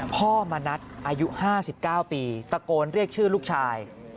มณัฐอายุ๕๙ปีตะโกนเรียกชื่อลูกชาย